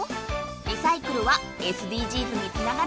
リサイクルはＳＤＧｓにつながるよね！